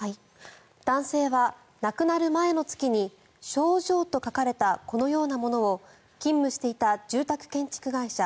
男性は亡くなる前の月に症状と書かれたこのようなものを勤務していた住宅建築会社